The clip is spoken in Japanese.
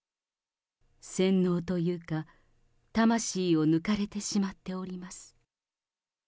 洗脳というか、魂を抜かれてしまっております。